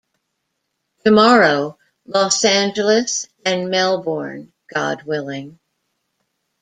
Tomorrow, Los Angeles and Melbourne, God willing.